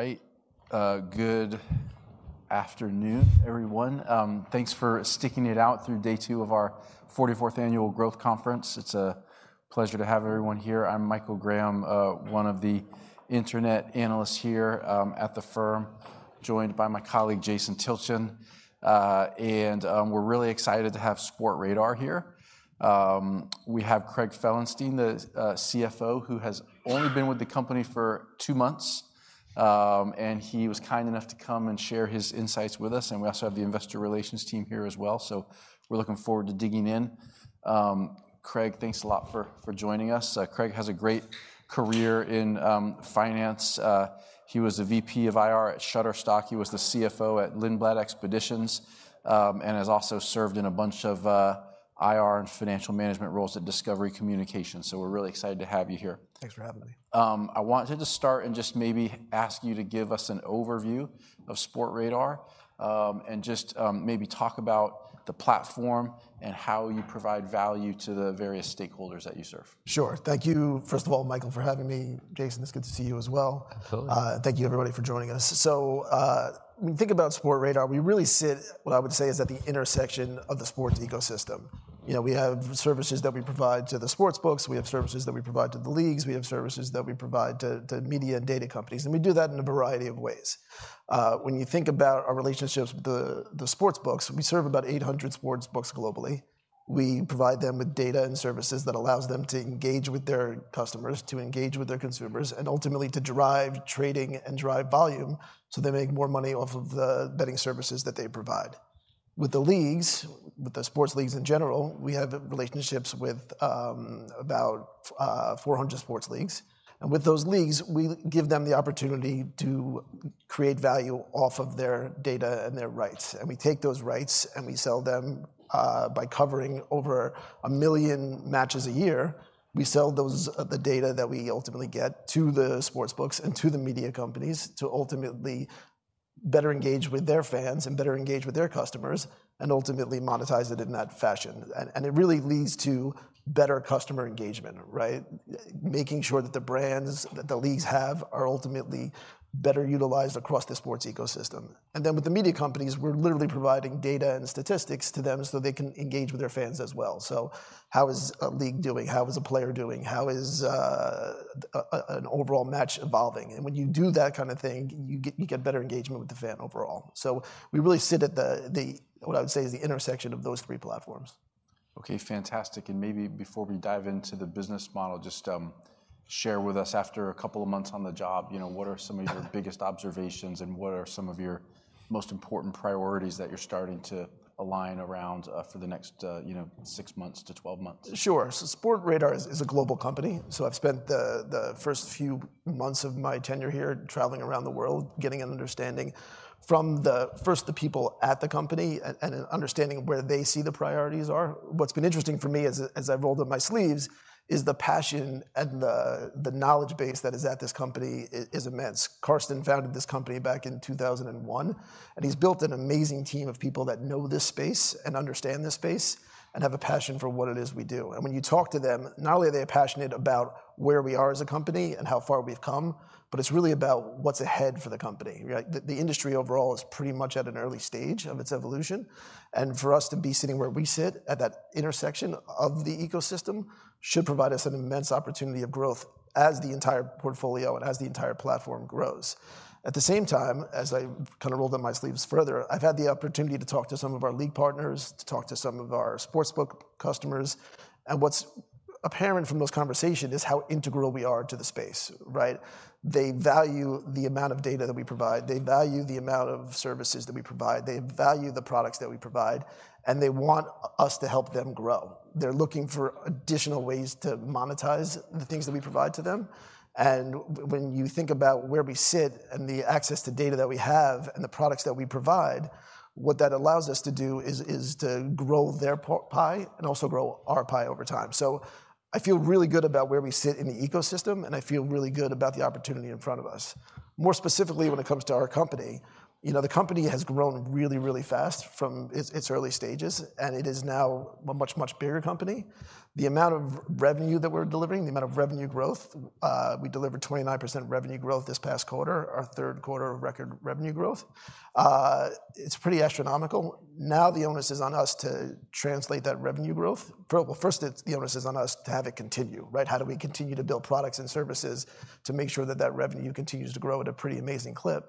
All right. Good afternoon, everyone. Thanks for sticking it out through day two of our 44th annual Growth Conference. It's a pleasure to have everyone here. I'm Michael Graham, one of the internet analysts here at the firm, joined by my colleague, Jason Tilchin. And we're really excited to have Sportradar here. We have Craig Felenstein, the CFO, who has only been with the company for two months, and he was kind enough to come and share his insights with us, and we also have the investor relations team here as well, so we're looking forward to digging in. Craig, thanks a lot for joining us. Craig has a great career in finance. He was the VP of IR at Shutterstock. He was the CFO at Lindblad Expeditions, and has also served in a bunch of, IR and financial management roles at Discovery Communications, so we're really excited to have you here. Thanks for having me. I wanted to start and just maybe ask you to give us an overview of Sportradar, and just, maybe talk about the platform and how you provide value to the various stakeholders that you serve. Sure. Thank you, first of all, Michael, for having me. Jason, it's good to see you as well. Absolutely. Thank you, everybody, for joining us. So, when we think about Sportradar, we really sit, what I would say, is at the intersection of the sports ecosystem. You know, we have services that we provide to the sportsbooks, we have services that we provide to the leagues, we have services that we provide to media and data companies, and we do that in a variety of ways. When you think about our relationships with the sportsbooks, we serve about 800 sportsbooks globally. We provide them with data and services that allows them to engage with their customers, to engage with their consumers, and ultimately to drive trading and drive volume, so they make more money off of the betting services that they provide. With the leagues, with the sports leagues in general, we have relationships with, about, 400 sports leagues, and with those leagues, we give them the opportunity to create value off of their data and their rights, and we take those rights, and we sell them. By covering over 1 million matches a year, we sell those, the data that we ultimately get to the sportsbooks and to the media companies to ultimately better engage with their fans and better engage with their customers, and ultimately monetize it in that fashion. And, and it really leads to better customer engagement, right? Making sure that the brands that the leagues have are ultimately better utilized across the sports ecosystem. And then, with the media companies, we're literally providing data and statistics to them so they can engage with their fans as well. So how is a league doing? How is a player doing? How is an overall match evolving? And when you do that kind of thing, you get better engagement with the fan overall. So we really sit at the what I would say is the intersection of those three platforms. Okay, fantastic, and maybe before we dive into the business model, just share with us, after a couple of months on the job, you know, what are some of your biggest observations, and what are some of your most important priorities that you're starting to align around, for the next, you know, six months to twelve months? Sure. So Sportradar is a global company, so I've spent the first few months of my tenure here traveling around the world, getting an understanding from the first the people at the company and an understanding of where they see the priorities are. What's been interesting for me as I've rolled up my sleeves is the passion and the knowledge base that is at this company is immense. Carsten founded this company back in 2001, and he's built an amazing team of people that know this space and understand this space and have a passion for what it is we do. And when you talk to them, not only are they passionate about where we are as a company and how far we've come, but it's really about what's ahead for the company, right? The industry overall is pretty much at an early stage of its evolution, and for us to be sitting where we sit, at that intersection of the ecosystem, should provide us an immense opportunity of growth as the entire portfolio and as the entire platform grows. At the same time, as I kind of rolled up my sleeves further, I've had the opportunity to talk to some of our league partners, to talk to some of our sportsbook customers, and what's apparent from those conversations is how integral we are to the space, right? They value the amount of data that we provide. They value the amount of services that we provide. They value the products that we provide, and they want us to help them grow. They're looking for additional ways to monetize the things that we provide to them, and when you think about where we sit and the access to data that we have and the products that we provide, what that allows us to do is to grow their pie and also grow our pie over time. So I feel really good about where we sit in the ecosystem, and I feel really good about the opportunity in front of us. More specifically, when it comes to our company, you know, the company has grown really, really fast from its early stages, and it is now a much, much bigger company. The amount of revenue that we're delivering, the amount of revenue growth, we delivered 29% revenue growth this past quarter, our third quarter of record revenue growth. It's pretty astronomical. Now, the onus is on us to translate that revenue growth... Well, first, the onus is on us to have it continue, right? How do we continue to build products and services to make sure that that revenue continues to grow at a pretty amazing clip?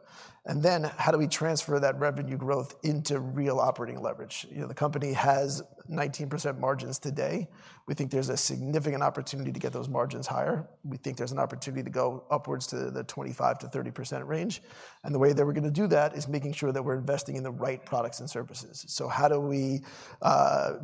And then, how do we transfer that revenue growth into real operating leverage? You know, the company has 19% margins today. We think there's a significant opportunity to get those margins higher. We think there's an opportunity to go upwards to the 25%-30% range.... and the way that we're gonna do that is making sure that we're investing in the right products and services. So how do we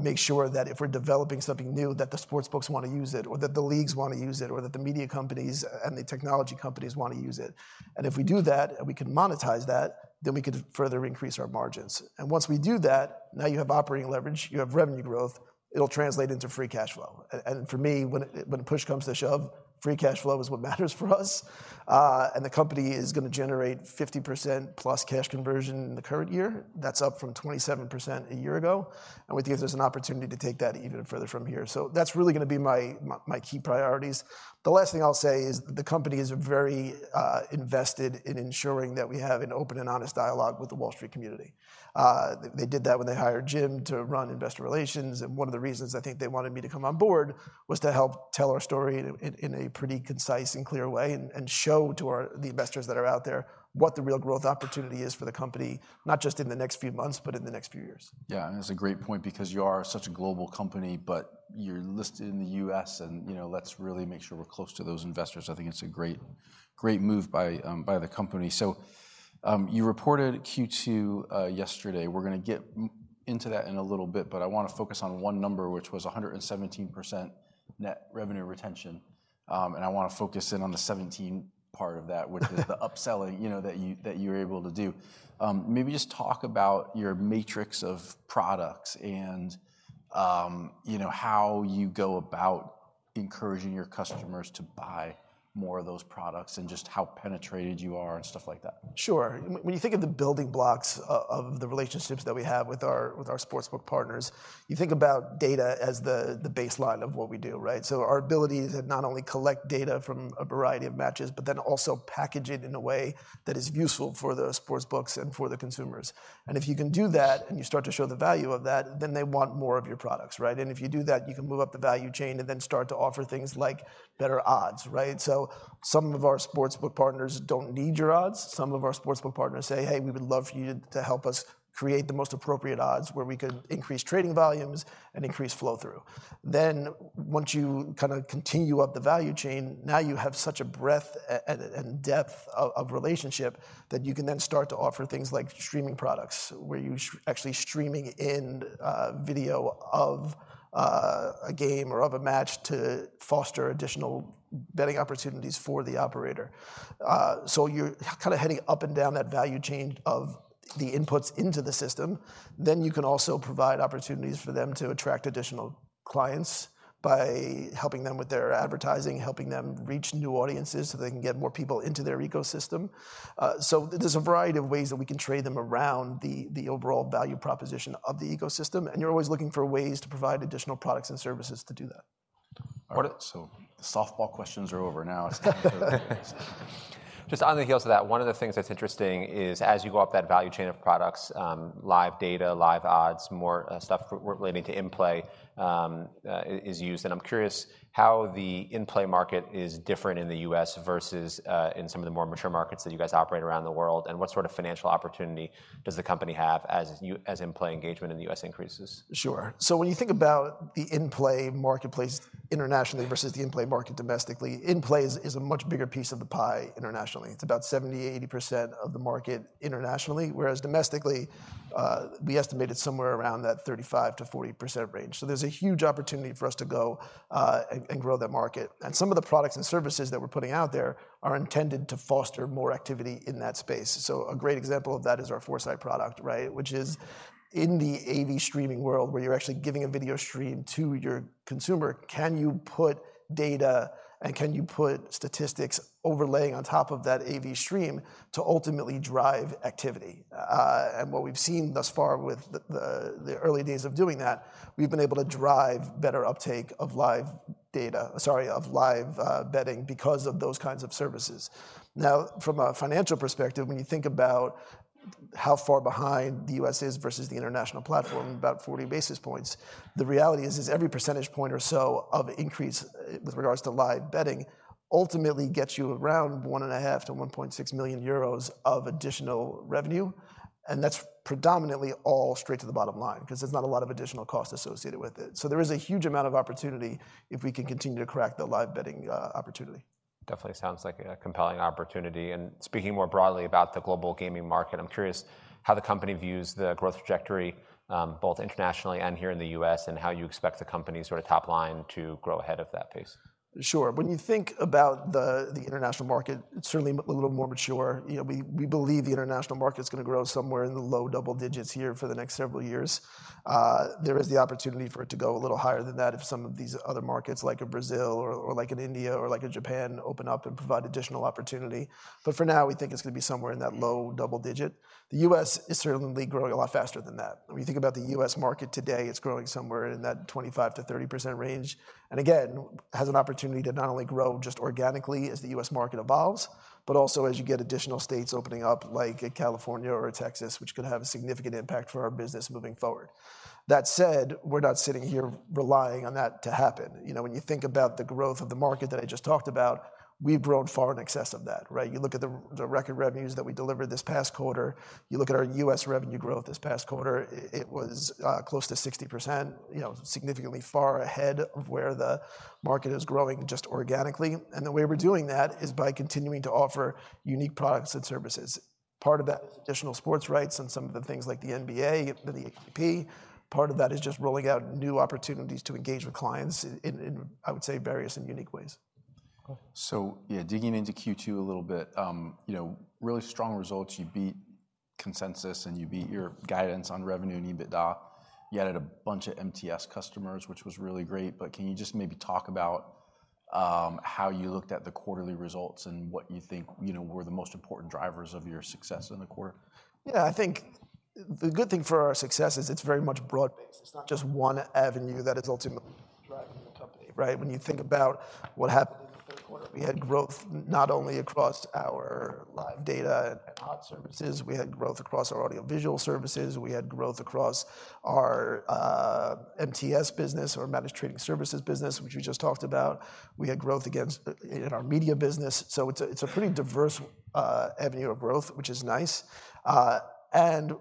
make sure that if we're developing something new, that the sportsbooks wanna use it, or that the leagues wanna use it, or that the media companies and the technology companies wanna use it? And if we do that, and we can monetize that, then we could further increase our margins. And once we do that, now you have operating leverage, you have revenue growth, it'll translate into free cash flow. And for me, when push comes to shove, free cash flow is what matters for us. And the company is gonna generate 50%+ cash conversion in the current year. That's up from 27% a year ago, and we think there's an opportunity to take that even further from here. So that's really gonna be my, my, my key priorities. The last thing I'll say is, the company is very invested in ensuring that we have an open and honest dialogue with the Wall Street community. They did that when they hired Jim to run investor relations, and one of the reasons I think they wanted me to come on board was to help tell our story in a pretty concise and clear way, and show to our... the investors that are out there, what the real growth opportunity is for the company, not just in the next few months, but in the next few years. Yeah, and that's a great point because you are such a global company, but you're listed in the U.S., and, you know, let's really make sure we're close to those investors. I think it's a great, great move by the company. So, you reported Q2 yesterday. We're gonna get into that in a little bit, but I wanna focus on one number, which was 117% net revenue retention. And I wanna focus in on the 17 part of that... which is the upselling, you know, that you, that you're able to do. Maybe just talk about your matrix of products and, you know, how you go about encouraging your customers to buy more of those products, and just how penetrated you are, and stuff like that. Sure. When you think of the building blocks of the relationships that we have with our sportsbook partners, you think about data as the baseline of what we do, right? So our ability to not only collect data from a variety of matches, but then also package it in a way that is useful for the sportsbooks and for the consumers. And if you can do that, and you start to show the value of that, then they want more of your products, right? And if you do that, you can move up the value chain and then start to offer things like better odds, right? So some of our sportsbook partners don't need your odds. Some of our sportsbook partners say, "Hey, we would love for you to help us create the most appropriate odds, where we could increase trading volumes and increase flow-through." Then, once you kinda continue up the value chain, now you have such a breadth and depth of relationship, that you can then start to offer things like streaming products, where you actually streaming in video of a game or of a match to foster additional betting opportunities for the operator. So you're kinda heading up and down that value chain of the inputs into the system. Then, you can also provide opportunities for them to attract additional clients by helping them with their advertising, helping them reach new audiences, so they can get more people into their ecosystem. So, there's a variety of ways that we can trade them around the overall value proposition of the ecosystem, and you're always looking for ways to provide additional products and services to do that. All right, so the softball questions are over now. It's time for the... Just on the heels of that, one of the things that's interesting is, as you go up that value chain of products, live data, live odds, more, stuff relating to in-play, is used, and I'm curious how the in-play market is different in the U.S. versus, in some of the more mature markets that you guys operate around the world, and what sort of financial opportunity does the company have, as in-play engagement in the U.S. increases? Sure. So when you think about the in-play marketplace internationally versus the in-play market domestically, in-play is a much bigger piece of the pie internationally. It's about 70%-80% of the market internationally, whereas domestically, we estimate it's somewhere around that 35%-40% range. So there's a huge opportunity for us to go and grow that market. And some of the products and services that we're putting out there are intended to foster more activity in that space. So a great example of that is our 4Sight product, right? Which is, in the AV streaming world, where you're actually giving a video stream to your consumer, can you put data, and can you put statistics overlaying on top of that AV stream to ultimately drive activity? And what we've seen thus far with the early days of doing that, we've been able to drive better uptake of live data - sorry, of live betting, because of those kinds of services. Now, from a financial perspective, when you think about how far behind the U.S. is versus the international platform, about 40 basis points, the reality is every percentage point or so of increase with regards to live betting ultimately gets you around 1.5 million-1.6 million euros of additional revenue, and that's predominantly all straight to the bottom line, 'cause there's not a lot of additional cost associated with it. So there is a huge amount of opportunity if we can continue to crack the live betting opportunity. Definitely sounds like a compelling opportunity, and speaking more broadly about the global gaming market, I'm curious how the company views the growth trajectory, both internationally and here in the US, and how you expect the company's sort of top line to grow ahead of that pace? Sure. When you think about the international market, it's certainly a little more mature. You know, we believe the international market's gonna grow somewhere in the low double digits here for the next several years. There is the opportunity for it to go a little higher than that if some of these other markets, like a Brazil or like an India or like a Japan, open up and provide additional opportunity. But for now, we think it's gonna be somewhere in that low double digit. The U.S. is certainly growing a lot faster than that. When you think about the US market today, it's growing somewhere in that 25%-30% range, and again, has an opportunity to not only grow just organically as the US market evolves, but also as you get additional states opening up, like a California or a Texas, which could have a significant impact for our business moving forward. That said, we're not sitting here relying on that to happen. You know, when you think about the growth of the market that I just talked about, we've grown far in excess of that, right? You look at the record revenues that we delivered this past quarter, you look at our US revenue growth this past quarter, it was close to 60%, you know, significantly far ahead of where the market is growing just organically. The way we're doing that is by continuing to offer unique products and services. Part of that additional sports rights and some of the things like the NBA and the ATP, part of that is just rolling out new opportunities to engage with clients in, I would say, various and unique ways. So yeah, digging into Q2 a little bit, you know, really strong results. You beat consensus, and you beat your guidance on revenue and EBITDA. You added a bunch of MTS customers, which was really great. But can you just maybe talk about how you looked at the quarterly results and what you think, you know, were the most important drivers of your success in the quarter? Yeah, I think the good thing for our success is it's very much broad-based. It's not just one avenue that is ultimately driving the company, right? When you think about what happened in the third quarter, we had growth not only across our live data and odds services, we had growth across our audiovisual services, we had growth across our, MTS business or Managed Trading Services business, which we just talked about. We had growth against, in our media business. So it's a, it's a pretty diverse, avenue of growth, which is nice. And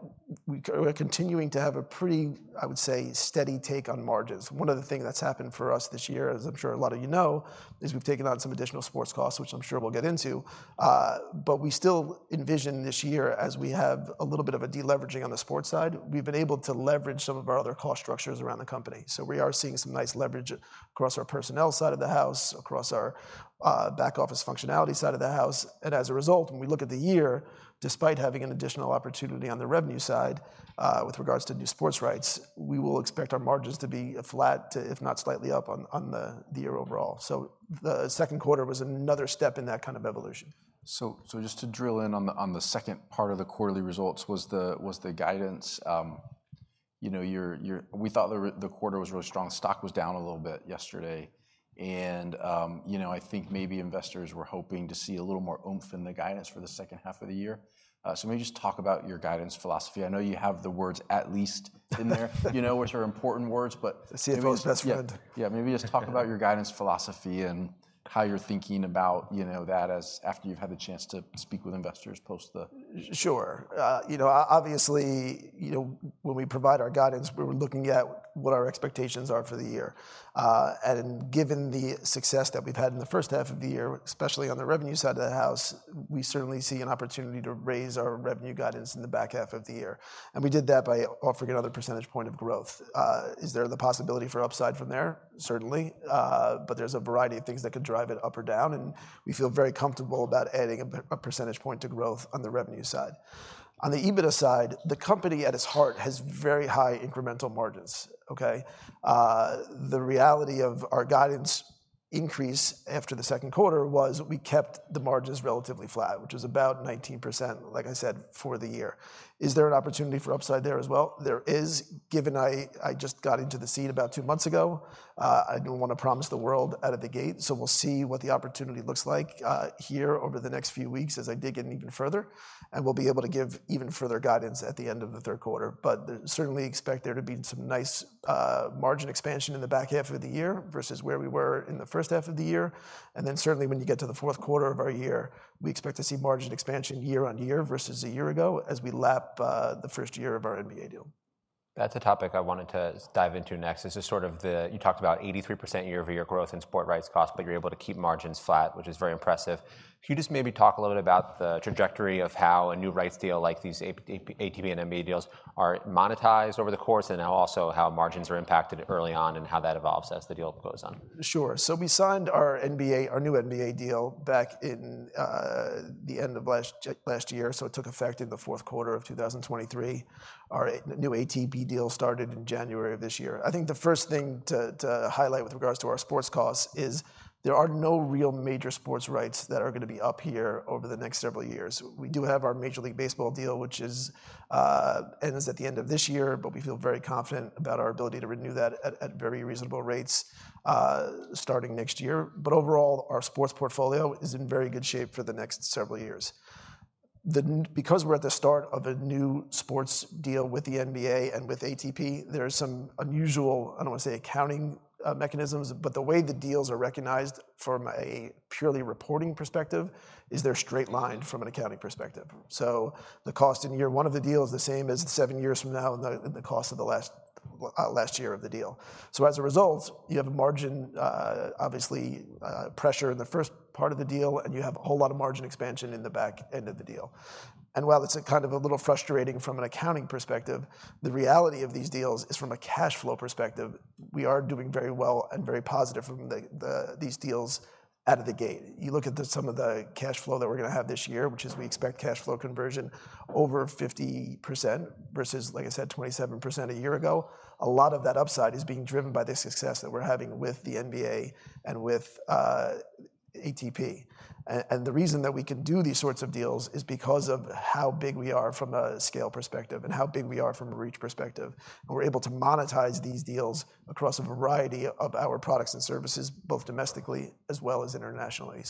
we're continuing to have a pretty, I would say, steady take on margins. One of the things that's happened for us this year, as I'm sure a lot of you know, is we've taken on some additional sports costs, which I'm sure we'll get into. But we still envision this year, as we have a little bit of a deleveraging on the sports side, we've been able to leverage some of our other cost structures around the company. So we are seeing some nice leverage across our personnel side of the house, across our back office functionality side of the house. And as a result, when we look at the year, despite having an additional opportunity on the revenue side, with regards to new sports rights, we will expect our margins to be flat, if not slightly up on the year overall. So the second quarter was another step in that kind of evolution. So, just to drill in on the second part of the quarterly results, was the guidance. You know, we thought the quarter was really strong. Stock was down a little bit yesterday, and, you know, I think maybe investors were hoping to see a little more oomph in the guidance for the second half of the year. So maybe just talk about your guidance philosophy. I know you have the words "at least" in there - you know, which are important words, but- CFO's best friend. Yeah, maybe just talk about your guidance philosophy and how you're thinking about, you know, that as after you've had the chance to speak with investors post the- Sure. You know, obviously, you know, when we provide our guidance, we're looking at what our expectations are for the year. And given the success that we've had in the first half of the year, especially on the revenue side of the house, we certainly see an opportunity to raise our revenue guidance in the back half of the year, and we did that by offering another percentage point of growth. Is there the possibility for upside from there? Certainly. But there's a variety of things that could drive it up or down, and we feel very comfortable about adding a percentage point to growth on the revenue side. On the EBITDA side, the company, at its heart, has very high incremental margins, okay? The reality of our guidance increase after the second quarter was we kept the margins relatively flat, which is about 19%, like I said, for the year. Is there an opportunity for upside there as well? There is. Given I just got into the seat about two months ago, I don't wanna promise the world out of the gate, so we'll see what the opportunity looks like here over the next few weeks as I dig in even further, and we'll be able to give even further guidance at the end of the third quarter. But certainly expect there to be some nice margin expansion in the back half of the year versus where we were in the first half of the year. And then certainly when you get to the fourth quarter of our year, we expect to see margin expansion year on year versus a year ago as we lap the first year of our NBA deal. That's a topic I wanted to dive into next. This is sort of the... You talked about 83% year-over-year growth in sports rights cost, but you're able to keep margins flat, which is very impressive. Can you just maybe talk a little bit about the trajectory of how a new rights deal like these ATP and NBA deals are monetized over the course, and then also how margins are impacted early on, and how that evolves as the deal goes on? Sure. So we signed our NBA, our new NBA deal back in, the end of last year, so it took effect in the fourth quarter of 2023. Our new ATP deal started in January of this year. I think the first thing to highlight with regards to our sports costs is there are no real major sports rights that are gonna be up here over the next several years. We do have our Major League Baseball deal, which ends at the end of this year, but we feel very confident about our ability to renew that at very reasonable rates, starting next year. But overall, our sports portfolio is in very good shape for the next several years. Because we're at the start of a new sports deal with the NBA and with ATP, there are some unusual, I don't wanna say, accounting mechanisms, but the way the deals are recognized from a purely reporting perspective is they're straight-lined from an accounting perspective. So the cost in year one of the deal is the same as seven years from now, the cost of the last year of the deal. So as a result, you have a margin, obviously, pressure in the first part of the deal, and you have a whole lot of margin expansion in the back end of the deal. And while it's kind of a little frustrating from an accounting perspective, the reality of these deals is, from a cash flow perspective, we are doing very well and very positive from these deals out of the gate. You look at some of the cash flow that we're gonna have this year, which is we expect cash flow conversion over 50% versus, like I said, 27% a year ago. A lot of that upside is being driven by the success that we're having with the NBA and with ATP. And the reason that we can do these sorts of deals is because of how big we are from a scale perspective and how big we are from a reach perspective, and we're able to monetize these deals across a variety of our products and services, both domestically as well as internationally.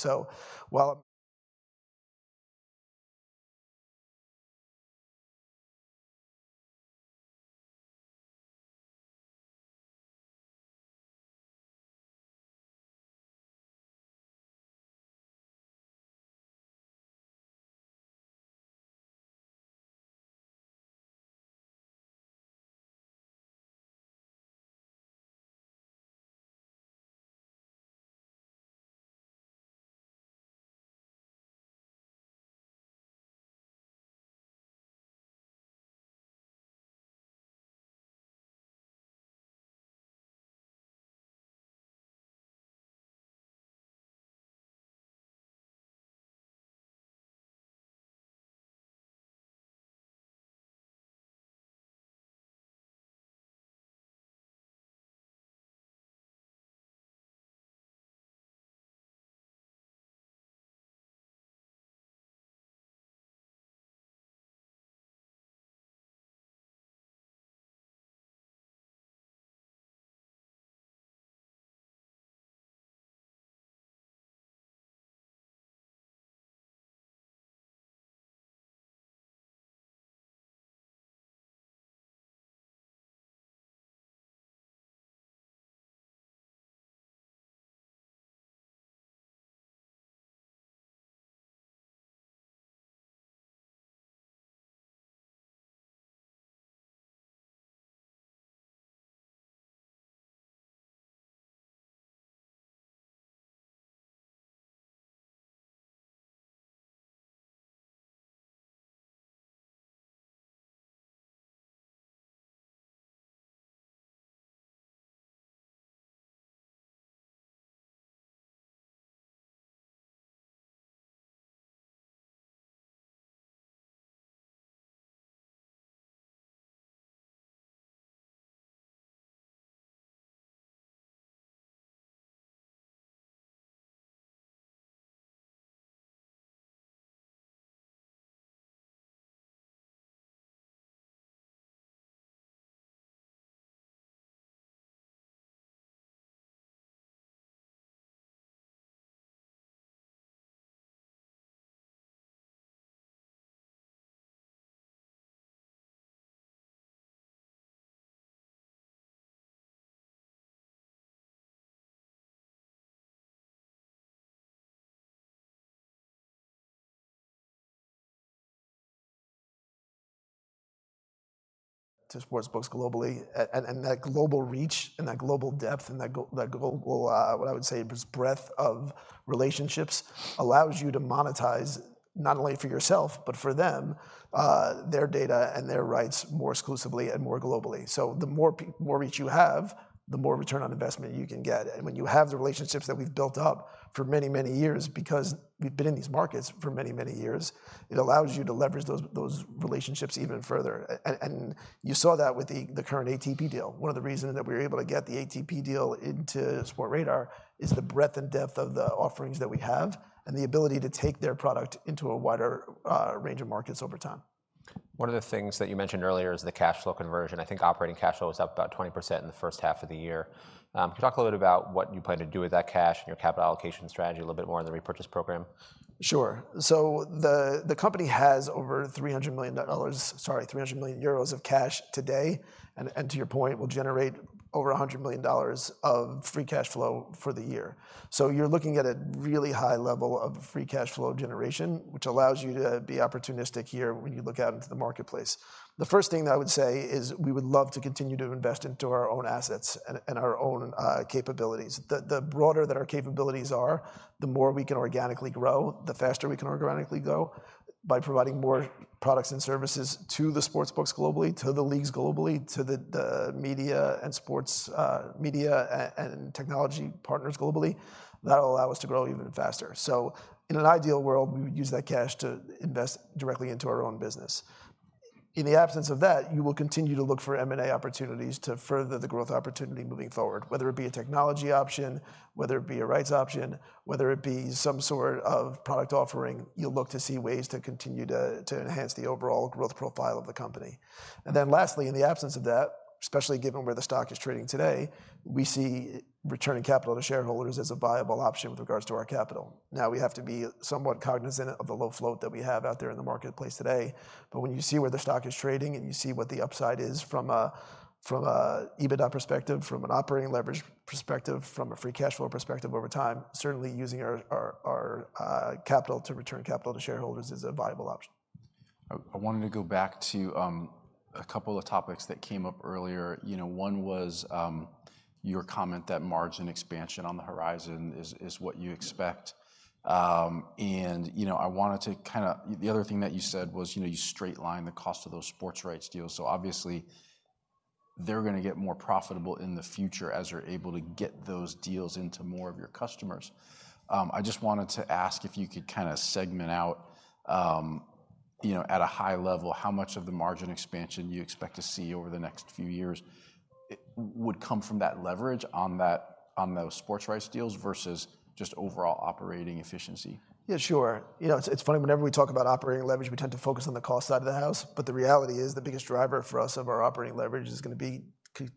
So while-... to sportsbooks globally, and that global reach and that global depth and that global, what I would say is breadth of relationships, allows you to monetize, not only for yourself, but for them, their data and their rights more exclusively and more globally. So the more reach you have, the more return on investment you can get. And when you have the relationships that we've built up for many, many years, because we've been in these markets for many, many years, it allows you to leverage those relationships even further. And you saw that with the current ATP deal. One of the reasons that we were able to get the ATP deal into Sportradar is the breadth and depth of the offerings that we have, and the ability to take their product into a wider, range of markets over time. One of the things that you mentioned earlier is the cash flow conversion. I think operating cash flow is up about 20% in the first half of the year. Could you talk a little bit about what you plan to do with that cash and your capital allocation strategy, a little bit more on the repurchase program? Sure. So the company has over $300 million, sorry, 300 million euros of cash today, and to your point, will generate over $100 million of free cash flow for the year. So you're looking at a really high level of free cash flow generation, which allows you to be opportunistic here when you look out into the marketplace. The first thing that I would say is, we would love to continue to invest into our own assets and our own capabilities. The broader that our capabilities are, the more we can organically grow, the faster we can organically go. By providing more products and services to the sportsbooks globally, to the leagues globally, to the media and sports media and technology partners globally, that'll allow us to grow even faster. So in an ideal world, we would use that cash to invest directly into our own business. In the absence of that, you will continue to look for M&A opportunities to further the growth opportunity moving forward, whether it be a technology option, whether it be a rights option, whether it be some sort of product offering, you'll look to see ways to continue to enhance the overall growth profile of the company. And then lastly, in the absence of that, especially given where the stock is trading today, we see returning capital to shareholders as a viable option with regards to our capital. Now, we have to be somewhat cognizant of the low float that we have out there in the marketplace today. When you see where the stock is trading, and you see what the upside is from an EBITDA perspective, from an operating leverage perspective, from a free cash flow perspective over time, certainly using our capital to return capital to shareholders is a viable option. I wanted to go back to a couple of topics that came up earlier. You know, one was your comment that margin expansion on the horizon is what you expect. And, you know, I wanted to kinda... The other thing that you said was, you know, you straight-line the cost of those sports rights deals, so obviously, they're gonna get more profitable in the future as you're able to get those deals into more of your customers. I just wanted to ask if you could kinda segment out, you know, at a high level, how much of the margin expansion you expect to see over the next few years would come from that leverage on those sports rights deals, versus just overall operating efficiency? Yeah, sure. You know, it's, it's funny, whenever we talk about operating leverage, we tend to focus on the cost side of the house, but the reality is, the biggest driver for us of our operating leverage is gonna be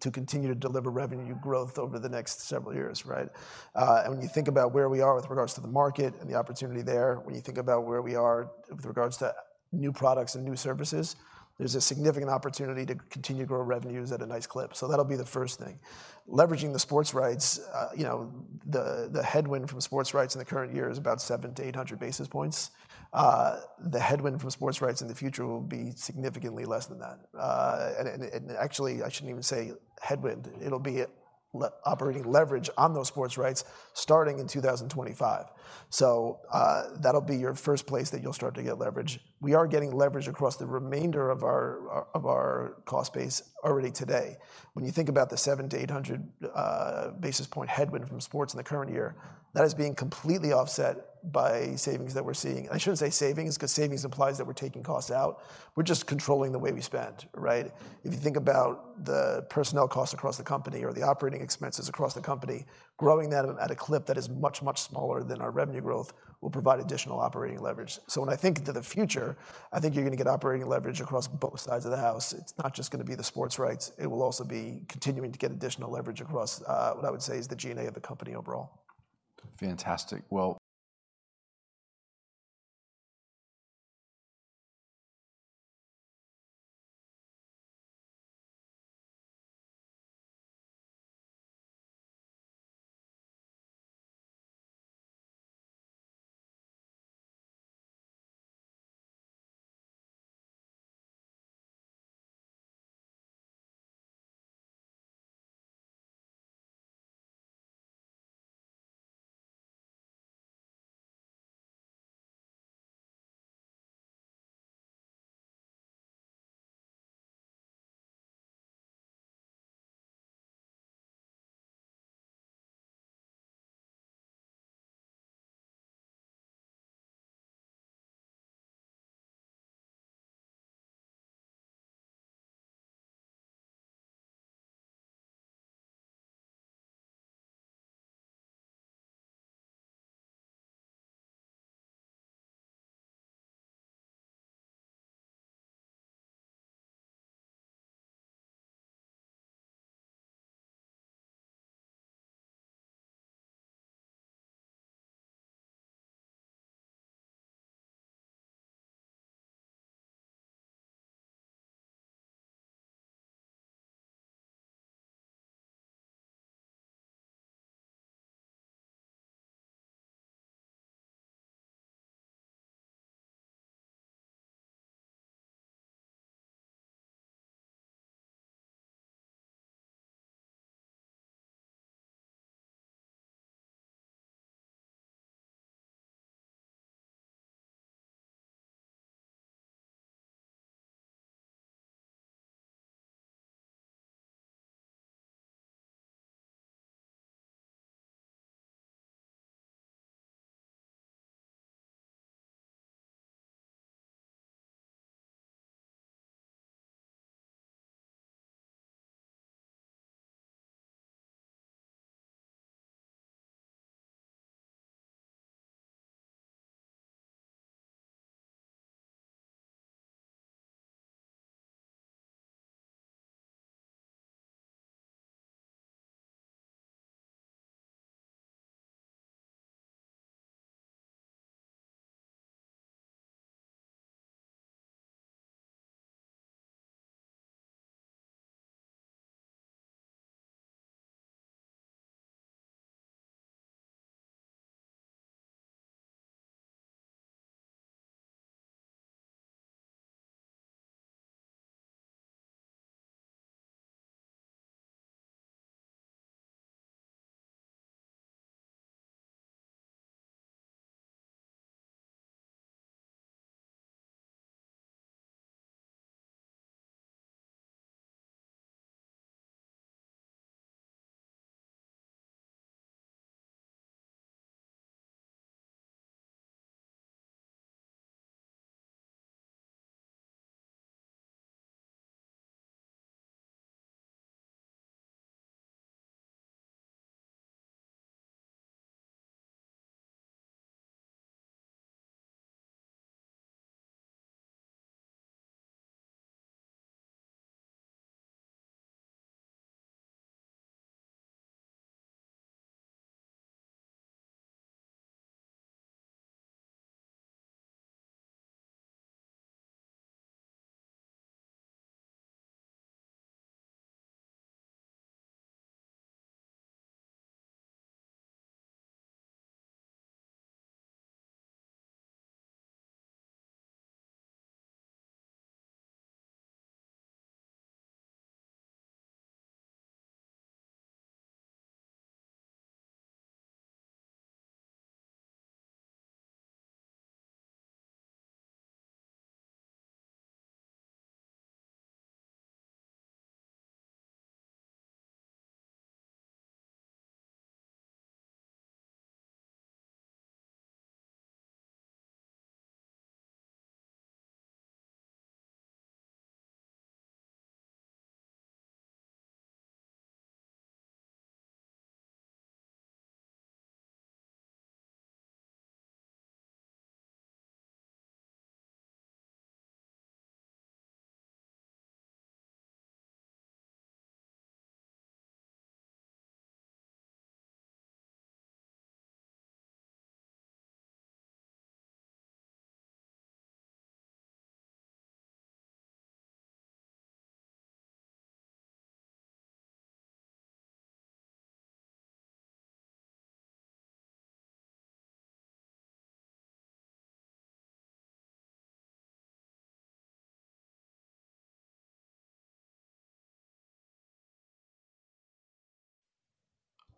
to continue to deliver revenue growth over the next several years, right? And when you think about where we are with regards to the market and the opportunity there, when you think about where we are with regards to new products and new services, there's a significant opportunity to continue to grow revenues at a nice clip, so that'll be the first thing. Leveraging the sports rights, you know, the, the headwind from sports rights in the current year is about 700-800 basis points. The headwind from sports rights in the future will be significantly less than that. Actually, I shouldn't even say headwind. It'll be a little operating leverage on those sports rights starting in 2025. So, that'll be your first place that you'll start to get leverage. We are getting leverage across the remainder of our cost base already today. When you think about the 700-800 basis point headwind from sports in the current year, that is being completely offset by savings that we're seeing. I shouldn't say savings, 'cause savings implies that we're taking costs out. We're just controlling the way we spend, right? If you think about the personnel costs across the company or the operating expenses across the company, growing that at a clip that is much, much smaller than our revenue growth, will provide additional operating leverage. So when I think to the future, I think you're gonna get operating leverage across both sides of the house. It's not just gonna be the sports rights, it will also be continuing to get additional leverage across what I would say is the G&A of the company overall. Fantastic!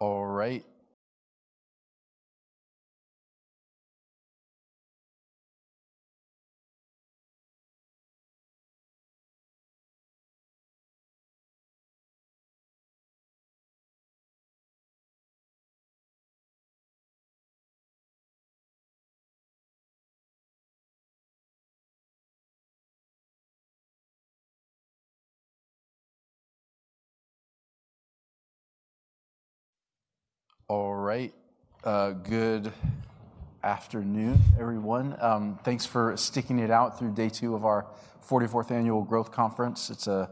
Well-... All right. All right, good afternoon, everyone. Thanks for sticking it out through day 2 of our 44th annual Growth Conference. It's a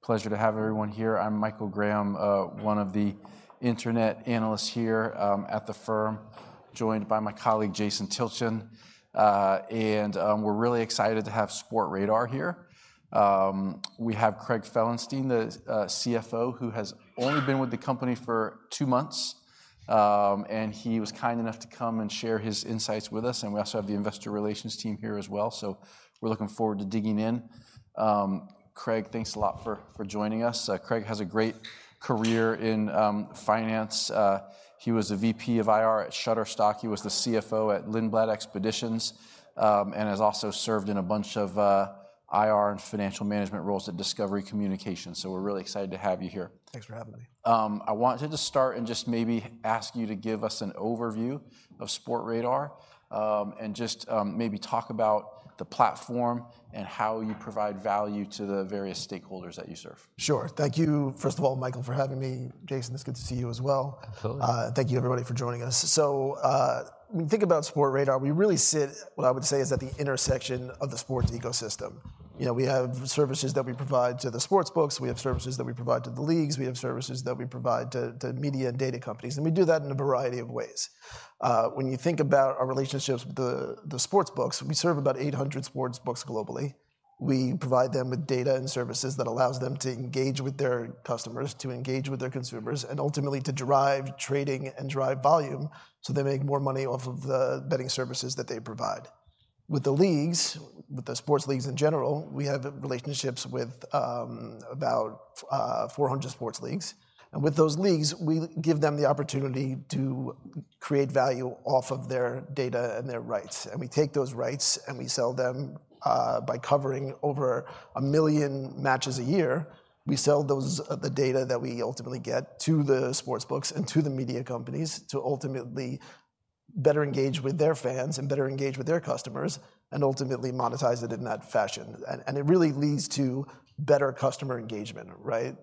pleasure to have everyone here. I'm Michael Graham, one of the internet analysts here, at the firm, joined by my colleague, Jason Tilchin. And, we're really excited to have Sportradar here. We have Craig Felenstein, the, CFO, who has only been with the company for two months, and he was kind enough to come and share his insights with us, and we also have the investor relations team here as well. So we're looking forward to digging in. Craig, thanks a lot for, for joining us. Craig has a great career in, finance. He was a VP of IR at Shutterstock. He was the CFO at Lindblad Expeditions, and has also served in a bunch of IR and financial management roles at Discovery Communications. So we're really excited to have you here. Thanks for having me. I wanted to start and just maybe ask you to give us an overview of Sportradar, and just, maybe talk about the platform and how you provide value to the various stakeholders that you serve. Sure. Thank you, first of all, Michael, for having me. Jason, it's good to see you as well. Absolutely. Thank you, everybody, for joining us. When we think about Sportradar, we really sit, what I would say, is at the intersection of the sports ecosystem. You know, we have services that we provide to the sportsbooks. We have services that we provide to the leagues. We have services that we provide to media and data companies, and we do that in a variety of ways. When you think about our relationships with the sportsbooks, we serve about 800 sportsbooks globally. We provide them with data and services that allows them to engage with their customers, to engage with their consumers, and ultimately to drive trading and drive volume, so they make more money off of the betting services that they provide. With the leagues, with the sports leagues in general, we have relationships with about 400 sports leagues, and with those leagues, we give them the opportunity to create value off of their data and their rights. And we take those rights, and we sell them by covering over 1 million matches a year. We sell those, the data that we ultimately get to the sportsbooks and to the media companies to ultimately better engage with their fans and better engage with their customers, and ultimately monetize it in that fashion. And it really leads to better customer engagement, right?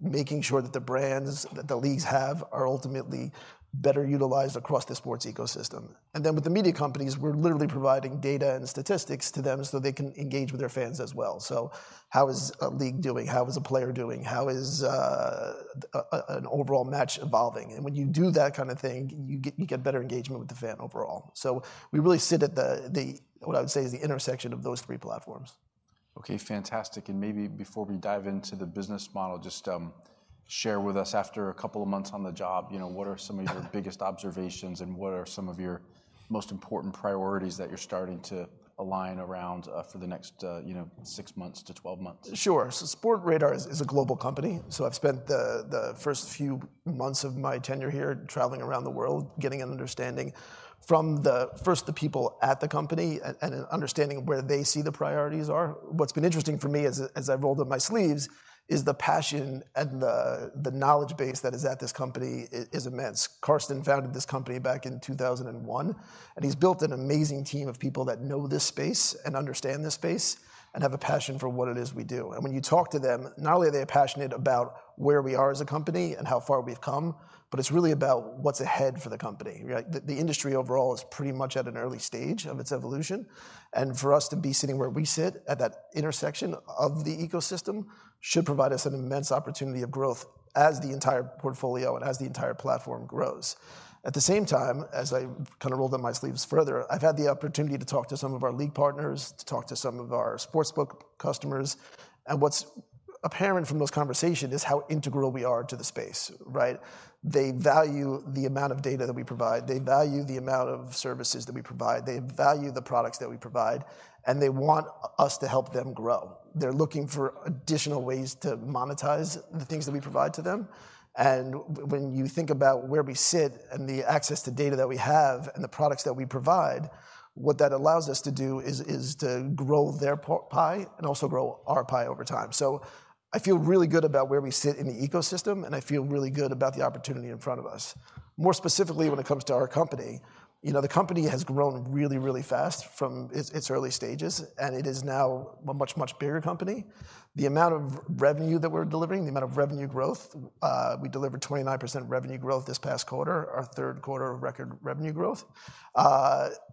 Making sure that the brands that the leagues have are ultimately better utilized across the sports ecosystem. And then with the media companies, we're literally providing data and statistics to them so they can engage with their fans as well. So how is a league doing? How is a player doing? How is an overall match evolving? And when you do that kind of thing, you get better engagement with the fan overall. So we really sit at the, what I would say, is the intersection of those three platforms. Okay, fantastic, and maybe before we dive into the business model, just share with us, after a couple of months on the job, you know, what are some of your biggest observations, and what are some of your most important priorities that you're starting to align around, for the next, you know, 6 months to 12 months? Sure. So Sportradar is a global company, so I've spent the first few months of my tenure here traveling around the world, getting an understanding from first the people at the company and an understanding of where they see the priorities are. What's been interesting for me as I've rolled up my sleeves is the passion and the knowledge base that is at this company is immense. Carsten founded this company back in 2001, and he's built an amazing team of people that know this space and understand this space and have a passion for what it is we do. And when you talk to them, not only are they passionate about where we are as a company and how far we've come, but it's really about what's ahead for the company, right? The industry overall is pretty much at an early stage of its evolution, and for us to be sitting where we sit, at that intersection of the ecosystem, should provide us an immense opportunity of growth as the entire portfolio and as the entire platform grows. At the same time, as I kind of rolled up my sleeves further, I've had the opportunity to talk to some of our league partners, to talk to some of our sportsbook customers, and what's apparent from those conversations is how integral we are to the space, right? They value the amount of data that we provide. They value the amount of services that we provide. They value the products that we provide, and they want us to help them grow. They're looking for additional ways to monetize the things that we provide to them, and when you think about where we sit and the access to data that we have and the products that we provide, what that allows us to do is to grow their pie and also grow our pie over time. So I feel really good about where we sit in the ecosystem, and I feel really good about the opportunity in front of us. More specifically, when it comes to our company, you know, the company has grown really, really fast from its early stages, and it is now a much, much bigger company. The amount of revenue that we're delivering, the amount of revenue growth, we delivered 29% revenue growth this past quarter, our third quarter of record revenue growth.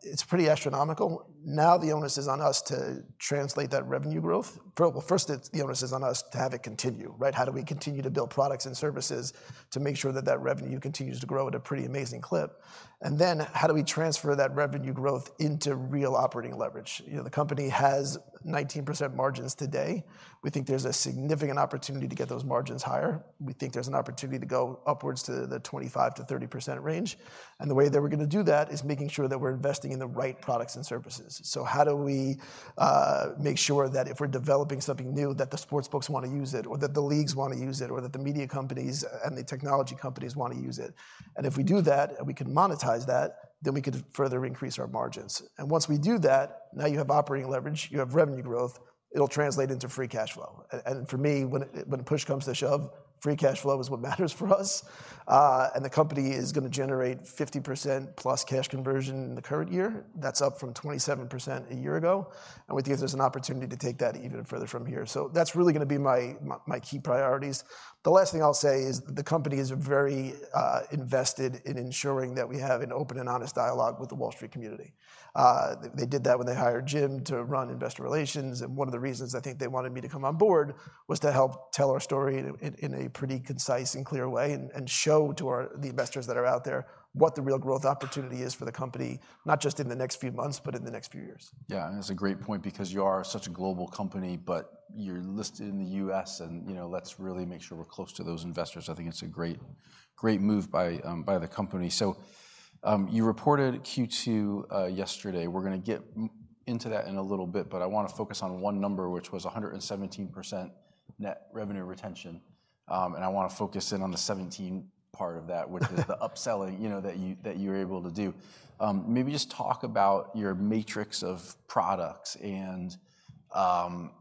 It's pretty astronomical. Now, the onus is on us to translate that revenue growth. Well, first, the onus is on us to have it continue, right? How do we continue to build products and services to make sure that that revenue continues to grow at a pretty amazing clip? And then, how do we transfer that revenue growth into real operating leverage? You know, the company has 19% margins today. We think there's a significant opportunity to get those margins higher. We think there's an opportunity to go upwards to the 25%-30% range, and the way that we're gonna do that is making sure that we're investing in the right products and services. So how do we make sure that if we're developing something new, that the sportsbooks want to use it or that the leagues want to use it, or that the media companies and the technology companies want to use it? And if we do that, and we can monetize that, then we could further increase our margins, and once we do that, now you have operating leverage, you have revenue growth, it'll translate into free cash flow. And for me, when it, when push comes to shove, free cash flow is what matters for us. And the company is gonna generate 50%+ cash conversion in the current year. That's up from 27% a year ago, and we think there's an opportunity to take that even further from here. So that's really gonna be my key priorities. The last thing I'll say is the company is very invested in ensuring that we have an open and honest dialogue with the Wall Street community. They did that when they hired Jim to run investor relations, and one of the reasons I think they wanted me to come on board was to help tell our story in a pretty concise and clear way, and show to our the investors that are out there, what the real growth opportunity is for the company, not just in the next few months, but in the next few years. Yeah, and that's a great point because you are such a global company, but you're listed in the U.S., and, you know, let's really make sure we're close to those investors. I think it's a great, great move by, by the company. You reported Q2 yesterday. We're gonna get into that in a little bit, but I wanna focus on one number, which was 117% net revenue retention. And I wanna focus in on the 17 part of that, which is the upselling, you know, that you, that you're able to do. Maybe just talk about your matrix of products and,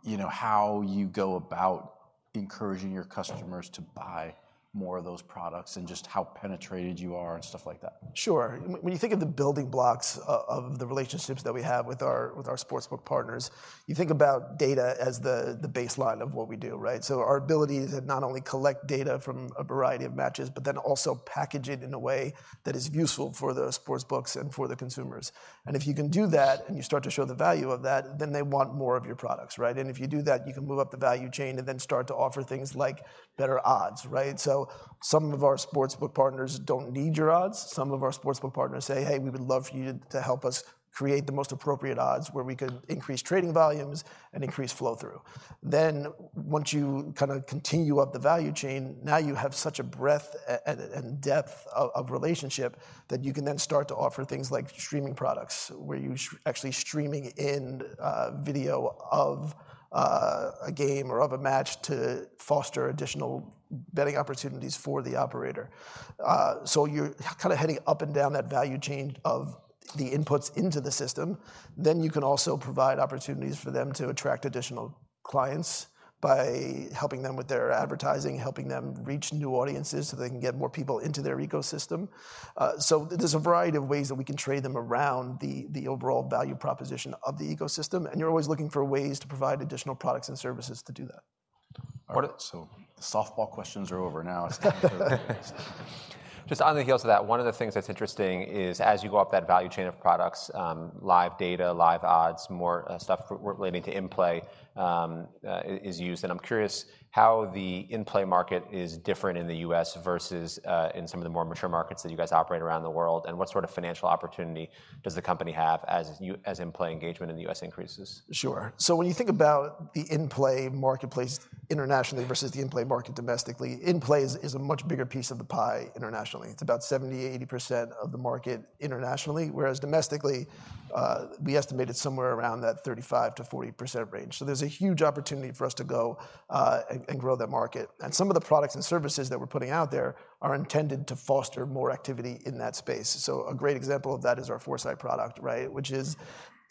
you know, how you go about encouraging your customers to buy more of those products, and just how penetrated you are, and stuff like that. Sure. When you think of the building blocks of the relationships that we have with our sportsbook partners, you think about data as the baseline of what we do, right? So our ability to not only collect data from a variety of matches, but then also package it in a way that is useful for the sportsbooks and for the consumers. And if you can do that, and you start to show the value of that, then they want more of your products, right? And if you do that, you can move up the value chain and then start to offer things like better odds, right? So some of our sportsbook partners don't need your odds. Some of our sportsbook partners say, "Hey, we would love for you to help us create the most appropriate odds, where we could increase trading volumes and increase flow-through." Then, once you kinda continue up the value chain, now you have such a breadth and depth of relationship, that you can then start to offer things like streaming products, where you actually streaming in video of a game or of a match to foster additional betting opportunities for the operator. So you're kinda heading up and down that value chain of the inputs into the system. Then, you can also provide opportunities for them to attract additional clients by helping them with their advertising, helping them reach new audiences, so they can get more people into their ecosystem. So there's a variety of ways that we can trade them around the overall value proposition of the ecosystem, and you're always looking for ways to provide additional products and services to do that. All right, so the softball questions are over now. It's time for the- Just on the heels of that, one of the things that's interesting is, as you go up that value chain of products, live data, live odds, more stuff relating to in-play is used, and I'm curious how the in-play market is different in the U.S. versus in some of the more mature markets that you guys operate around the world. And what sort of financial opportunity does the company have, as in-play engagement in the U.S. increases? Sure. So when you think about the in-play marketplace internationally versus the in-play market domestically, in-play is a much bigger piece of the pie internationally. It's about 70%-80% of the market internationally, whereas domestically, we estimate it's somewhere around that 35%-40% range. So there's a huge opportunity for us to go and grow that market, and some of the products and services that we're putting out there are intended to foster more activity in that space. So a great example of that is our 4Sight product, right? Which is,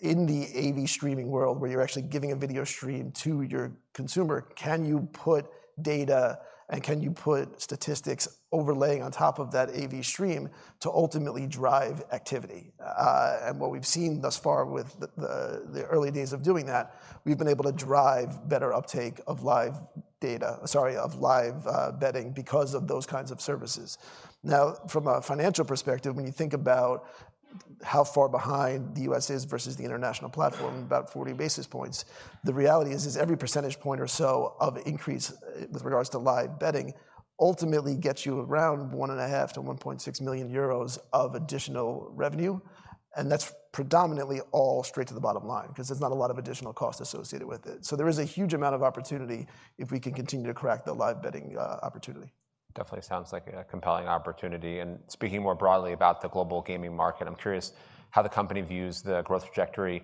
in the AV streaming world, where you're actually giving a video stream to your consumer, can you put data, and can you put statistics overlaying on top of that AV stream, to ultimately drive activity? And what we've seen thus far with the early days of doing that, we've been able to drive better uptake of live data, sorry, of live betting, because of those kinds of services. Now, from a financial perspective, when you think about how far behind the US is versus the international platform, about 40 basis points, the reality is every percentage point or so of increase with regards to live betting ultimately gets you around 1.5 million-1.6 million euros of additional revenue, and that's predominantly all straight to the bottom line, 'cause there's not a lot of additional cost associated with it. So there is a huge amount of opportunity if we can continue to crack the live betting opportunity. Definitely sounds like a, a compelling opportunity, and speaking more broadly about the global gaming market, I'm curious how the company views the growth trajectory,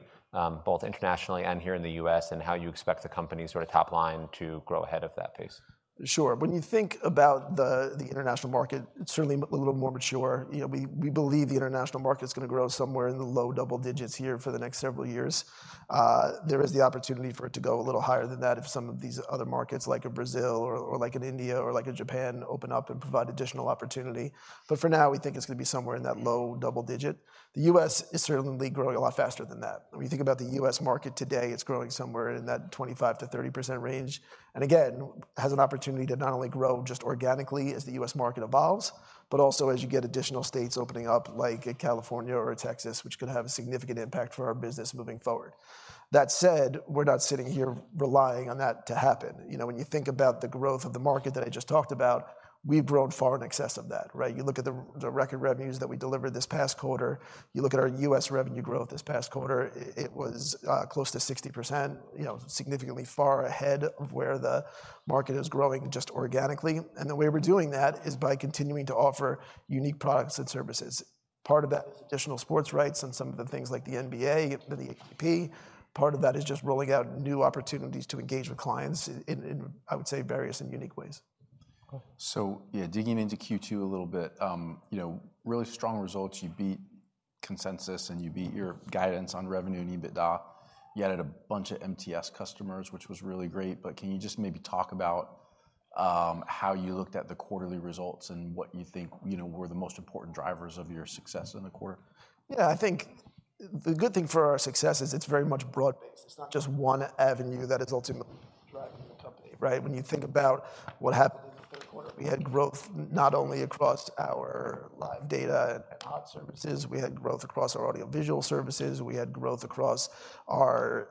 both internationally and here in the U.S., and how you expect the company's sort of top line to grow ahead of that pace. Sure. When you think about the international market, it's certainly a little more mature. You know, we believe the international market's gonna grow somewhere in the low double digits here for the next several years. There is the opportunity for it to go a little higher than that, if some of these other markets, like Brazil or like India or like Japan, open up and provide additional opportunity. But for now, we think it's gonna be somewhere in that low double digit. The U.S. is certainly growing a lot faster than that. When you think about the U.S. market today, it's growing somewhere in that 25%-30% range, and again, has an opportunity to not only grow just organically as the U.S. market evolves, but also as you get additional states opening up, like a California or a Texas, which could have a significant impact for our business moving forward. That said, we're not sitting here relying on that to happen. You know, when you think about the growth of the market that I just talked about, we've grown far in excess of that, right? You look at the record revenues that we delivered this past quarter. You look at our U.S. revenue growth this past quarter, it was close to 60%, you know, significantly far ahead of where the market is growing just organically. The way we're doing that is by continuing to offer unique products and services. Part of that, additional sports rights and some of the things like the NBA, the ATP. Part of that is just rolling out new opportunities to engage with clients in, I would say, various and unique ways. Cool. So, yeah, digging into Q2 a little bit, you know, really strong results. You beat consensus, and you beat your guidance on revenue and EBITDA. You added a bunch of MTS customers, which was really great, but can you just maybe talk about, how you looked at the quarterly results and what you think, you know, were the most important drivers of your success in the quarter? Yeah, I think the good thing for our success is it's very much broad-based. It's not just one avenue that is ultimately driving the company, right? When you think about what happened in the third quarter, we had growth not only across our live data and odds services, we had growth across our audiovisual services, we had growth across our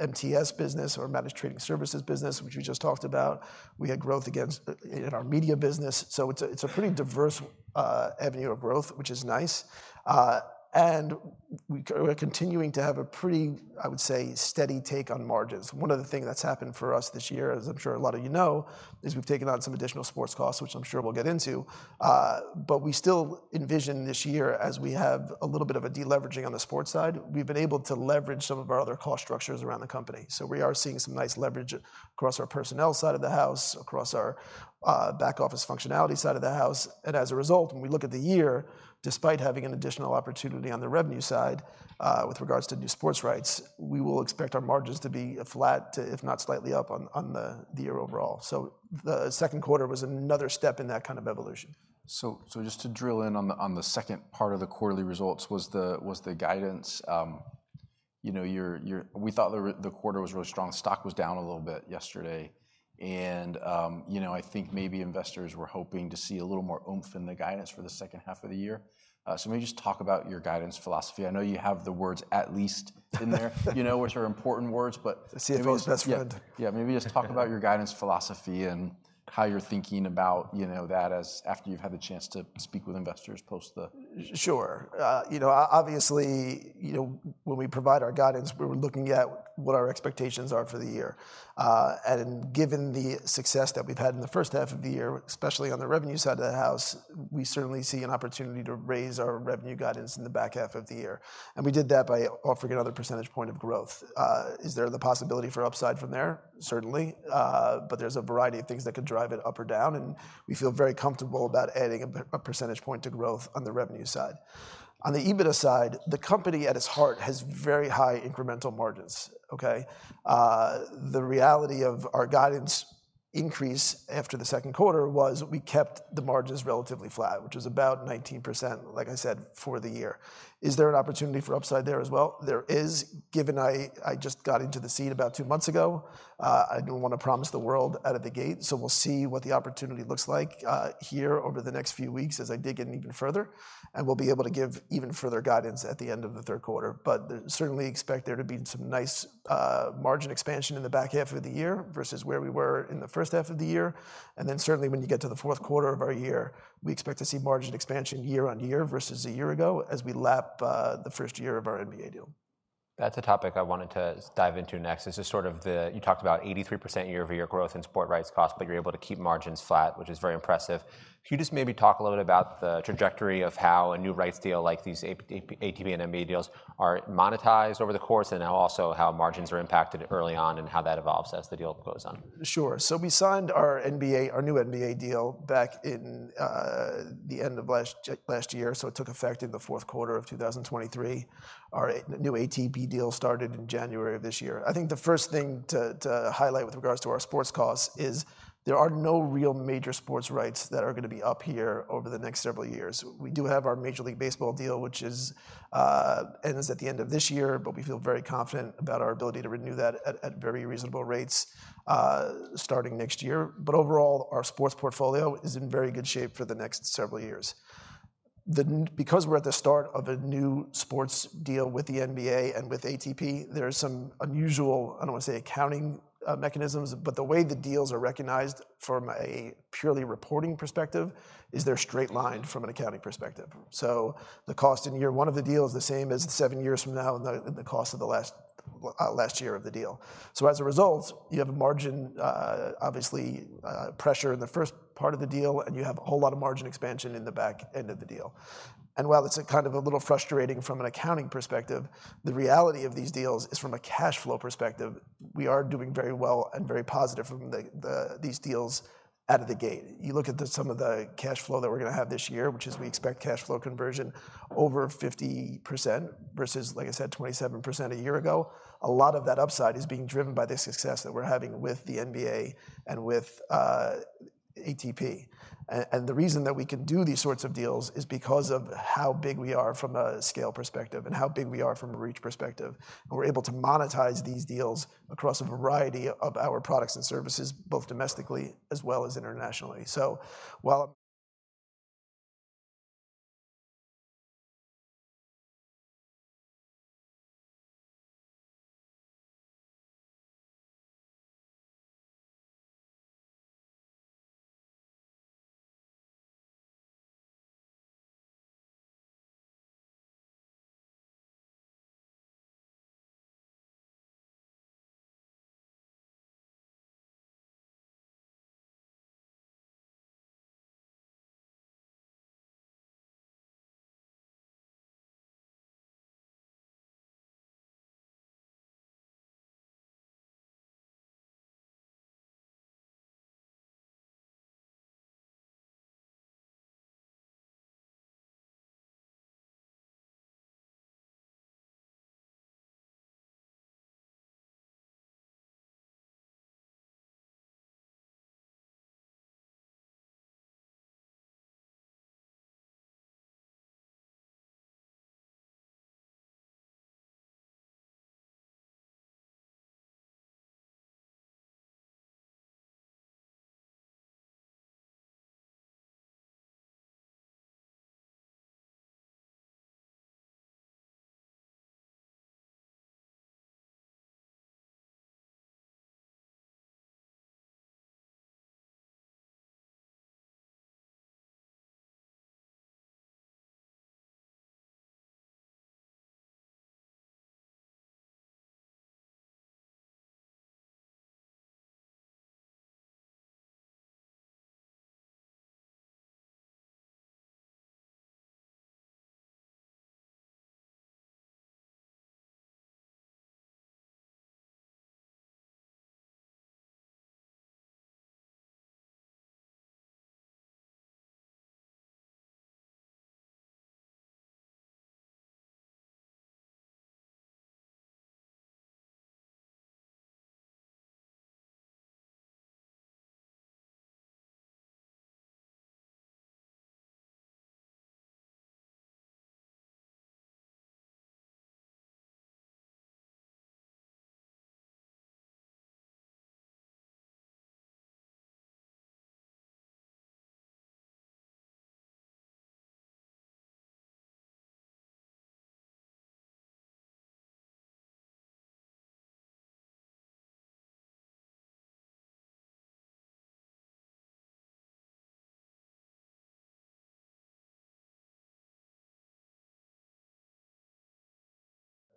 MTS business, or Managed Trading Services business, which we just talked about. We had growth also in our media business, so it's a pretty diverse avenue of growth, which is nice. And we're continuing to have a pretty, I would say, steady take on margins. One of the things that's happened for us this year, as I'm sure a lot of you know, is we've taken on some additional sports costs, which I'm sure we'll get into. But we still envision this year, as we have a little bit of a deleveraging on the sports side, we've been able to leverage some of our other cost structures around the company. So we are seeing some nice leverage across our personnel side of the house, across our back office functionality side of the house. And as a result, when we look at the year, despite having an additional opportunity on the revenue side, with regards to new sports rights, we will expect our margins to be flat to if not slightly up on, on the, the year overall. So the second quarter was another step in that kind of evolution. So just to drill in on the second part of the quarterly results, the guidance. You know, we thought the quarter was really strong. Stock was down a little bit yesterday, and, you know, I think maybe investors were hoping to see a little more oomph in the guidance for the second half of the year. So maybe just talk about your guidance philosophy. I know you have the words "at least" in there - you know, which are important words, but - CFO's best friend. Yeah, maybe just talk about your guidance philosophy and how you're thinking about, you know, that as after you've had the chance to speak with investors post the- Sure. You know, obviously, you know, when we provide our guidance, we're looking at what our expectations are for the year. And given the success that we've had in the first half of the year, especially on the revenue side of the house, we certainly see an opportunity to raise our revenue guidance in the back half of the year, and we did that by offering another percentage point of growth. Is there the possibility for upside from there? Certainly. But there's a variety of things that could drive it up or down, and we feel very comfortable about adding a percentage point to growth on the revenue side. On the EBITDA side, the company, at its heart, has very high incremental margins, okay? The reality of our guidance increase after the second quarter was we kept the margins relatively flat, which was about 19%, like I said, for the year. Is there an opportunity for upside there as well? There is. Given I just got into the seat about two months ago, I don't wanna promise the world out of the gate, so we'll see what the opportunity looks like, here over the next few weeks as I dig in even further, and we'll be able to give even further guidance at the end of the third quarter. But certainly expect there to be some nice, margin expansion in the back half of the year versus where we were in the first half of the year. Then, certainly, when you get to the fourth quarter of our year, we expect to see margin expansion year-over-year versus a year ago, as we lap the first year of our NBA deal. That's a topic I wanted to dive into next. This is sort of the... You talked about 83% year-over-year growth in sports rights cost, but you're able to keep margins flat, which is very impressive. Can you just maybe talk a little bit about the trajectory of how a new rights deal like these ATP and NBA deals are monetized over the course, and now also how margins are impacted early on, and how that evolves as the deal goes on? Sure. So we signed our NBA, our new NBA deal back in, the end of last year, so it took effect in the fourth quarter of 2023. Our new ATP deal started in January of this year. I think the first thing to highlight with regards to our sports costs is there are no real major sports rights that are gonna be up here over the next several years. We do have our Major League Baseball deal, which ends at the end of this year, but we feel very confident about our ability to renew that at very reasonable rates, starting next year. But overall, our sports portfolio is in very good shape for the next several years. Because we're at the start of a new sports deal with the NBA and with ATP, there are some unusual, I don't wanna say, accounting mechanisms, but the way the deals are recognized from a purely reporting perspective is they're straight-lined from an accounting perspective. So the cost in year one of the deal is the same as seven years from now, the cost of the last year of the deal. So as a result, you have a margin, obviously, pressure in the first part of the deal, and you have a whole lot of margin expansion in the back end of the deal. And while it's kind of a little frustrating from an accounting perspective, the reality of these deals is, from a cash flow perspective, we are doing very well and very positive from these deals out of the gate. You look at some of the cash flow that we're gonna have this year, which is we expect cash flow conversion over 50% versus, like I said, 27% a year ago. A lot of that upside is being driven by the success that we're having with the NBA and with ATP. And the reason that we can do these sorts of deals is because of how big we are from a scale perspective and how big we are from a reach perspective. And we're able to monetize these deals across a variety of our products and services, both domestically as well as internationally. So while-...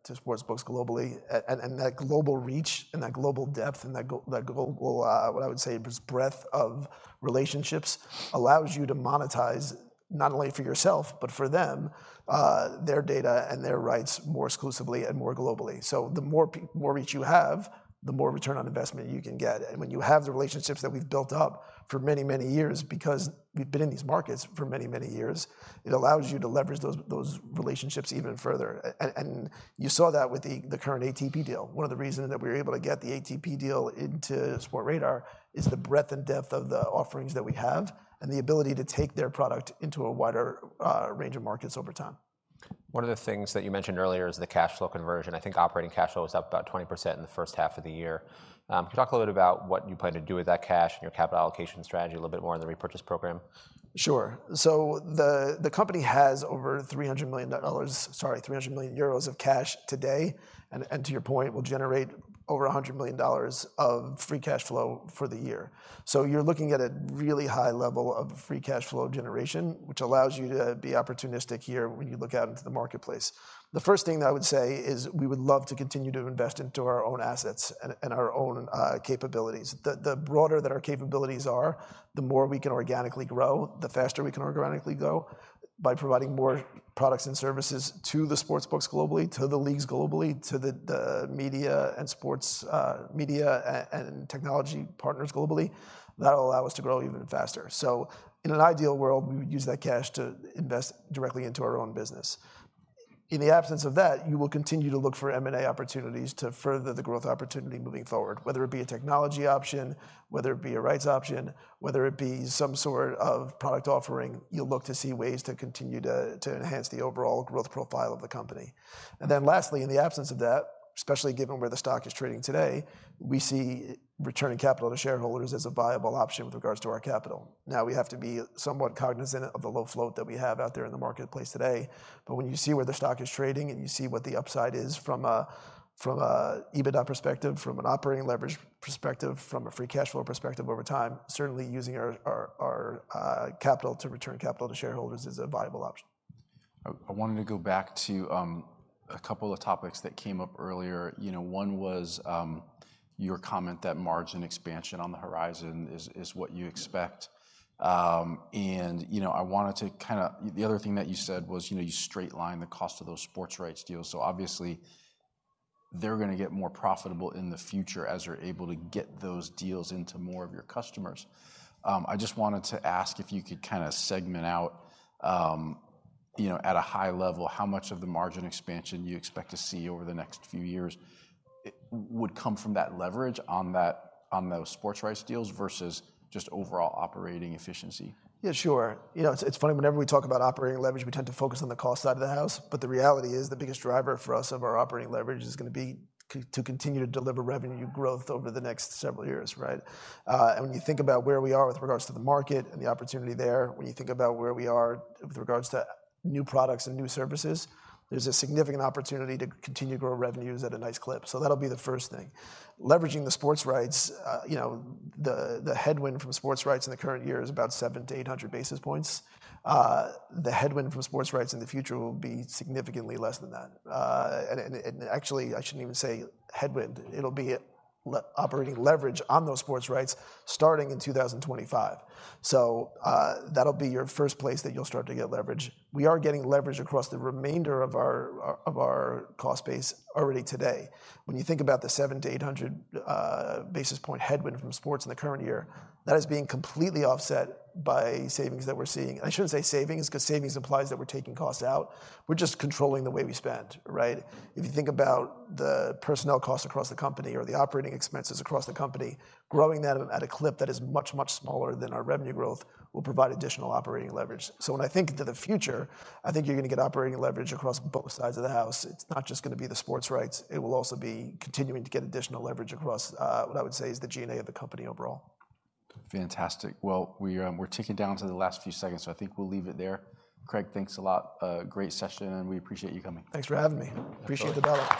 to sportsbooks globally, and that global reach and that global depth and that global, what I would say is breadth of relationships, allows you to monetize not only for yourself, but for them, their data and their rights more exclusively and more globally. So the more reach you have, the more return on investment you can get. And when you have the relationships that we've built up for many, many years, because we've been in these markets for many, many years, it allows you to leverage those relationships even further. And you saw that with the current ATP deal. One of the reasons that we were able to get the ATP deal into Sportradar is the breadth and depth of the offerings that we have and the ability to take their product into a wider range of markets over time. One of the things that you mentioned earlier is the cash flow conversion. I think operating cash flow is up about 20% in the first half of the year. Can you talk a little bit about what you plan to do with that cash and your capital allocation strategy, a little bit more on the repurchase program? Sure. So the company has over $300 million, sorry, 300 million euros of cash today, and to your point, will generate over $100 million of free cash flow for the year. So you're looking at a really high level of free cash flow generation, which allows you to be opportunistic here when you look out into the marketplace. The first thing that I would say is, we would love to continue to invest into our own assets and our own capabilities. The broader that our capabilities are, the more we can organically grow, the faster we can organically grow by providing more products and services to the sportsbooks globally, to the leagues globally, to the media and sports media and technology partners globally. That'll allow us to grow even faster. So in an ideal world, we would use that cash to invest directly into our own business. In the absence of that, you will continue to look for M&A opportunities to further the growth opportunity moving forward, whether it be a technology option, whether it be a rights option, whether it be some sort of product offering, you'll look to see ways to continue to enhance the overall growth profile of the company. And then lastly, in the absence of that, especially given where the stock is trading today, we see returning capital to shareholders as a viable option with regards to our capital. Now, we have to be somewhat cognizant of the low float that we have out there in the marketplace today, but when you see where the stock is trading, and you see what the upside is from a EBITDA perspective, from an operating leverage perspective, from a free cash flow perspective over time, certainly using our capital to return capital to shareholders is a viable option. I wanted to go back to a couple of topics that came up earlier. You know, one was your comment that margin expansion on the horizon is what you expect. You know, I wanted to kind of, the other thing that you said was, you know, you straight line the cost of those sports rights deals, so obviously they're gonna get more profitable in the future as you're able to get those deals into more of your customers. I just wanted to ask if you could kind of segment out, you know, at a high level, how much of the margin expansion you expect to see over the next few years would come from that leverage on that, on those sports rights deals versus just overall operating efficiency? Yeah, sure. You know, it's funny, whenever we talk about operating leverage, we tend to focus on the cost side of the house, but the reality is, the biggest driver for us of our operating leverage is gonna be to continue to deliver revenue growth over the next several years, right? And when you think about where we are with regards to the market and the opportunity there, when you think about where we are with regards to new products and new services, there's a significant opportunity to continue to grow revenues at a nice clip, so that'll be the first thing. Leveraging the sports rights, you know, the headwind from sports rights in the current year is about 700-800 basis points. The headwind from sports rights in the future will be significantly less than that. Actually, I shouldn't even say headwind. It'll be operating leverage on those sports rights starting in 2025. So, that'll be your first place that you'll start to get leverage. We are getting leverage across the remainder of our cost base already today. When you think about the 700-800 basis points headwind from sports in the current year, that is being completely offset by savings that we're seeing. I shouldn't say savings, because savings implies that we're taking costs out. We're just controlling the way we spend, right? If you think about the personnel costs across the company or the operating expenses across the company, growing that at a clip that is much, much smaller than our revenue growth will provide additional operating leverage. So when I think into the future, I think you're gonna get operating leverage across both sides of the house. It's not just gonna be the sports rights. It will also be continuing to get additional leverage across what I would say is the G&A of the company overall. Fantastic. Well, we, we're ticking down to the last few seconds, so I think we'll leave it there. Craig, thanks a lot. A great session, and we appreciate you coming. Thanks for having me. Appreciate the bell.